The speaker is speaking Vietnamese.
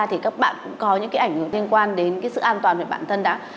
thì các bạn cũng có những cái ảnh liên quan đến cái sự an toàn về bản thân đó